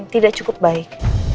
tidak cukup baik